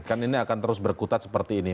kan ini akan terus berkutat seperti ini